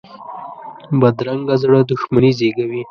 بدرنګه زړه دښمني زېږوي